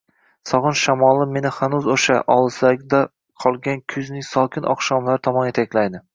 Sog’inch shamoli meni hanuz o’sha, olislarda qolgan kuzning sokin oqshomlari tomon yetaklaydi…